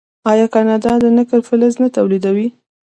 آیا کاناډا د نکل فلز نه تولیدوي؟